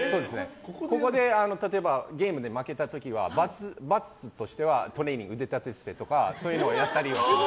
例えばここでゲームで負けた時には罰として、トレーニング腕立て伏せとかそういうのはやったり。